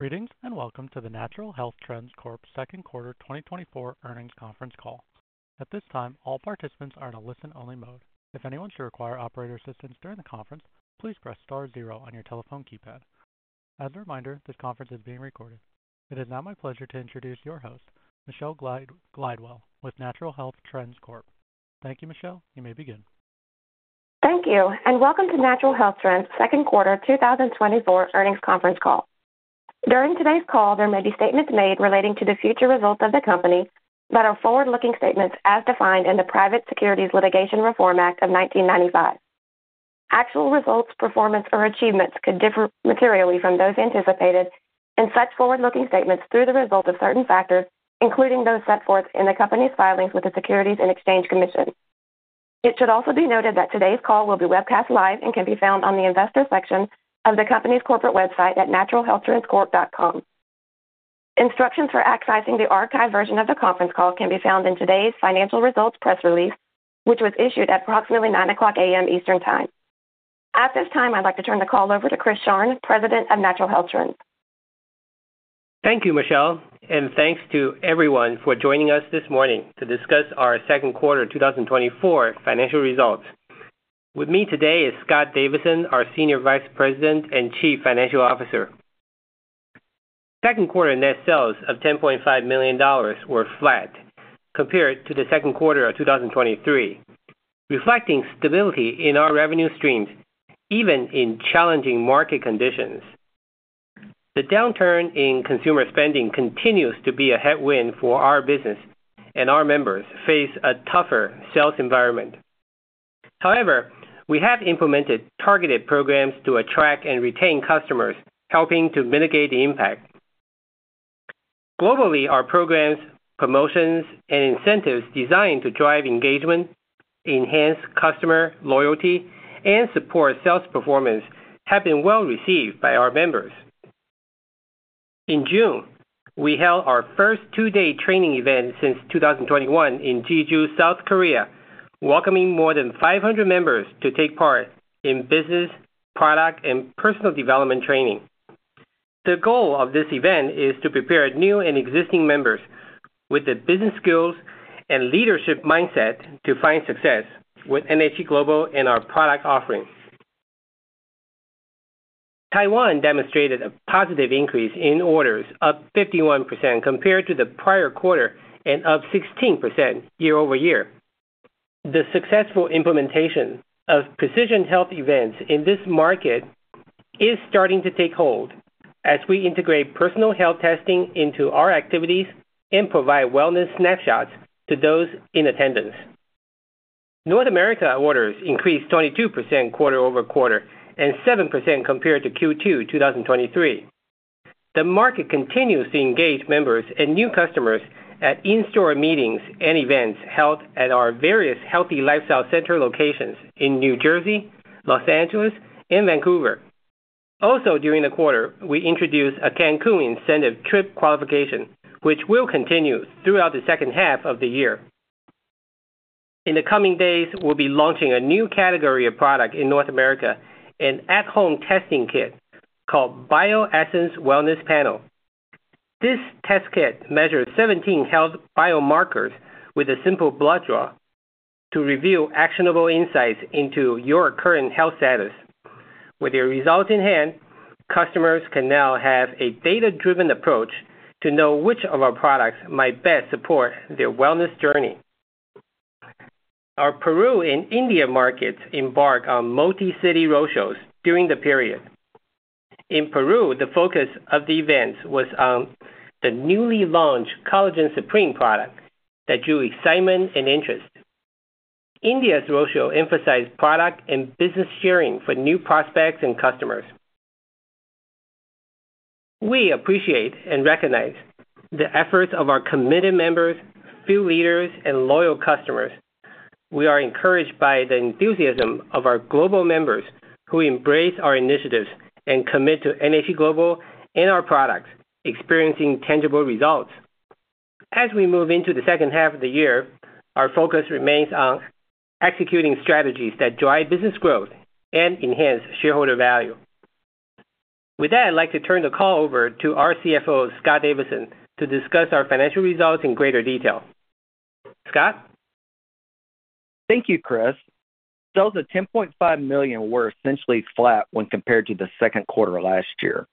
Greetings, and welcome to the Natural Health Trends Corp Second Quarter 2024 Earnings Conference Call. At this time, all participants are in a listen-only mode. If anyone should require operator assistance during the conference, please press star zero on your telephone keypad. As a reminder, this conference is being recorded. It is now my pleasure to introduce your host, Michelle Glidewell, with Natural Health Trends Corp. Thank you, Michele. You may begin. Thank you, and welcome to Natural Health Trends Second Quarter 2024 Earnings Conference Call. During today's call, there may be statements made relating to the future results of the company that are forward-looking statements as defined in the Private Securities Litigation Reform Act of 1995. Actual results, performance, or achievements could differ materially from those anticipated in such forward-looking statements through the result of certain factors, including those set forth in the company's filings with the Securities and Exchange Commission. It should also be noted that today's call will be webcast live and can be found on the Investors section of the company's corporate website at naturalhealthtrendscorp.com. Instructions for accessing the archived version of the conference call can be found in today's financial results press release, which was issued at approximately 9:00 A.M. Eastern Time. At this time, I'd like to turn the call over to Chris Sharng, President of Natural Health Trends. Thank you, Michele, and thanks to everyone for joining us this morning to discuss our second quarter 2024 financial results. With me today is Scott Davidson, our Senior Vice President and Chief Financial Officer. Second quarter net sales of $10.5 million were flat compared to the second quarter of 2023, reflecting stability in our revenue streams, even in challenging market conditions. The downturn in consumer spending continues to be a headwind for our business, and our members face a tougher sales environment. However, we have implemented targeted programs to attract and retain customers, helping to mitigate the impact. Globally, our programs, promotions, and incentives designed to drive engagement, enhance customer loyalty, and support sales performance have been well received by our members. In June, we held our first two-day training event since 2021 in Jeju, South Korea, welcoming more than 500 members to take part in business, product, and personal development training. The goal of this event is to prepare new and existing members with the business skills and leadership mindset to find success with NHT Global and our product offerings. Taiwan demonstrated a positive increase in orders, up 51% compared to the prior quarter and up 16% year-over-year. The successful implementation of precision health events in this market is starting to take hold as we integrate personal health testing into our activities and provide wellness snapshots to those in attendance. North America orders increased 22% quarter-over-quarter and 7% compared to Q2 2023. The market continues to engage members and new customers at in-store meetings and events held at our various Healthy Lifestyle Centers in New Jersey, Los Angeles, and Vancouver. Also, during the quarter, we introduced a Cancun incentive trip qualification, which will continue throughout the second half of the year. In the coming days, we'll be launching a new category of product in North America, an at-home testing kit called BioSense Wellness Panel. This test kit measures 17 health biomarkers with a simple blood draw to reveal actionable insights into your current health status. With your results in hand, customers can now have a data-driven approach to know which of our products might best support their wellness journey. Our Peru and India markets embark on multi-city road shows during the period. In Peru, the focus of the events was on the newly launched Collagen Supreme product that drew excitement and interest. India's roadshow emphasized product and business sharing for new prospects and customers. We appreciate and recognize the efforts of our committed members, field leaders, and loyal customers. We are encouraged by the enthusiasm of our global members, who embrace our initiatives and commit to NHT Global and our products, experiencing tangible results. As we move into the second half of the year, our focus remains on executing strategies that drive business growth and enhance shareholder value. With that, I'd like to turn the call over to our CFO, Scott Davidson, to discuss our financial results in greater detail. Scott? Thank you, Chris. Sales of $10.5 million were essentially flat when compared to the second quarter of last year.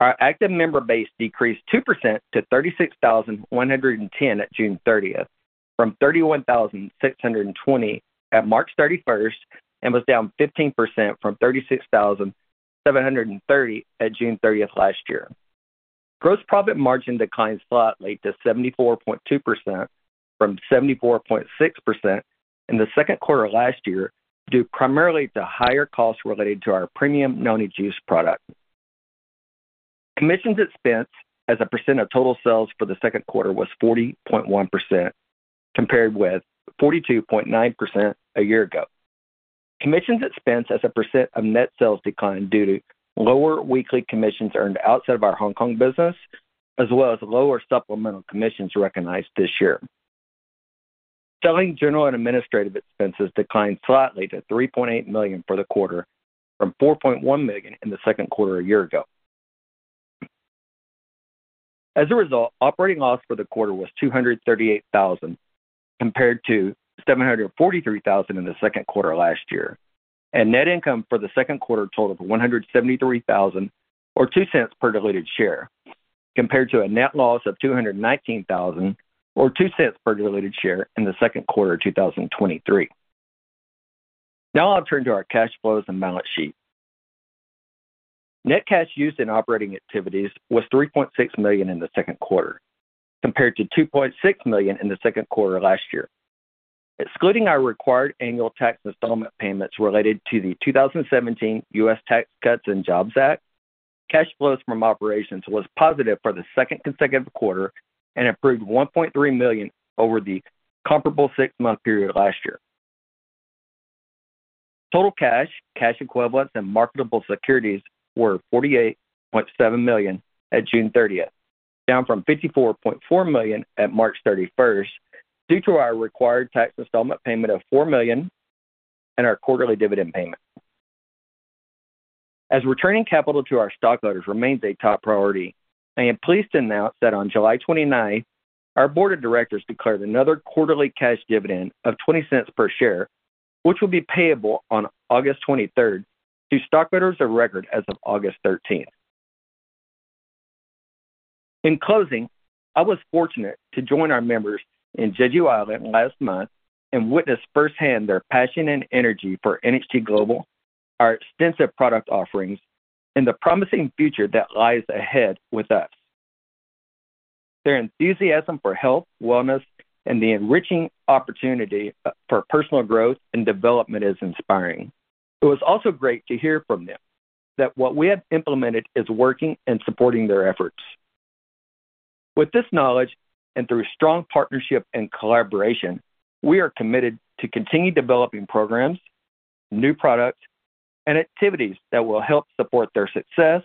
Our active member base decreased 2% to 36,110 at June 30th, from 31,620 at March 31st, and was down 15% from 36,730 at June 30th last year. Gross profit margin declined slightly to 74.2% from 74.6% in the second quarter last year, due primarily to higher costs related to our Premium Noni Juice product. Commissions and expense as a percent of total sales for the second quarter was 40.1%, compared with 42.9% a year ago. Commissions and expense as a % of net sales declined due to lower weekly commissions earned outside of our Hong Kong business, as well as lower supplemental commissions recognized this year. Selling, general, and administrative expenses declined slightly to $3.8 million for the quarter, from $4.1 million in the second quarter a year ago. As a result, operating loss for the quarter was $238,000, compared to $743,000 in the second quarter last year, and net income for the second quarter totaled $173,000, or $0.02 per diluted share, compared to a net loss of $219,000, or $0.02 per diluted share in the second quarter of 2023. Now I'll turn to our cash flows and balance sheet. Net cash used in operating activities was $3.6 million in the second quarter, compared to $2.6 million in the second quarter last year. Excluding our required annual tax installment payments related to the 2017 U.S. Tax Cuts and Jobs Act, cash flows from operations was positive for the second consecutive quarter and improved $1.3 million over the comparable six-month period last year. Total cash, cash equivalents, and marketable securities were $48.7 million at June 30th, down from $54.4 million at March 31st, due to our required tax installment payment of $4 million and our quarterly dividend payment. As returning capital to our stockholders remains a top priority, I am pleased to announce that on July 29th, our board of directors declared another quarterly cash dividend of $0.20 per share, which will be payable on August 23rd to stockholders of record as of August 13th. In closing, I was fortunate to join our members in Jeju Island last month and witness firsthand their passion and energy for NHT Global, our extensive product offerings, and the promising future that lies ahead with us. Their enthusiasm for health, wellness, and the enriching opportunity, for personal growth and development is inspiring. It was also great to hear from them that what we have implemented is working and supporting their efforts. With this knowledge, and through strong partnership and collaboration, we are committed to continue developing programs, new products, and activities that will help support their success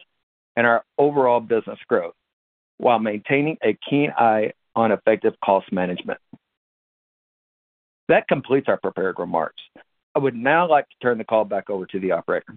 and our overall business growth while maintaining a keen eye on effective cost management. That completes our prepared remarks. I would now like to turn the call back over to the operator.